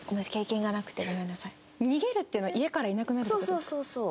そうそうそうそう。